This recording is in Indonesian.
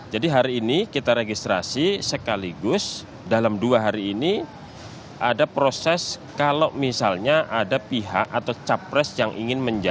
jadi hari ini kita registrasi sekaligus dalam dua hari ini ada proses kalau misalnya ada pihak atau capres yang ingin menyebutkan